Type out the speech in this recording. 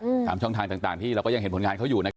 ตามช่องทางต่างต่างที่เราก็ยังเห็นผลงานเขาอยู่นะครับ